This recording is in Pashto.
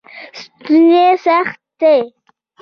ستوني سخت دی.